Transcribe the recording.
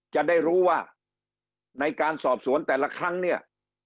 จะได้รู้ว่าในการสอบสวนแต่ละครั้งเนี่ย